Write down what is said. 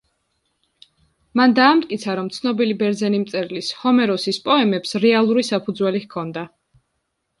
მან დაამტკიცა, რომ ცნობილი ბერძენი მწერლის, ჰომეროსის, პოემებს რეალური საფუძველი ჰქონდა.